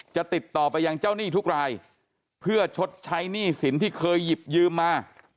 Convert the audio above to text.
ติดต่อไปยังเจ้าหนี้ทุกรายเพื่อชดใช้หนี้สินที่เคยหยิบยืมมา